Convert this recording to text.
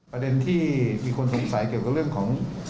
ประเด็นที่มีคนสงสัยเกี่ยวกับเรื่องของ